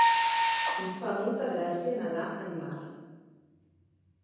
Em fa molta gràcia nedar en mar.